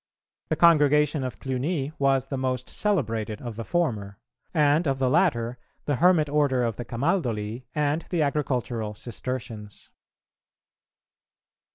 The Congregation of Cluni was the most celebrated of the former; and of the latter, the hermit order of the Camaldoli and the agricultural Cistercians.